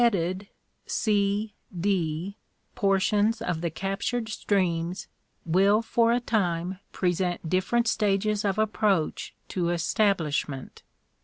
97 and beheaded (C, D) portions of the captured streams will for a time present different stages of approach to establishment.